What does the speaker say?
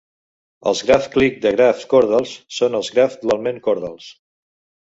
Els grafs clique de grafs cordals són els grafs dualment cordals.